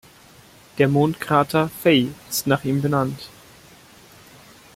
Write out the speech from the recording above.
Der Mondkrater Faye ist nach ihm benannt.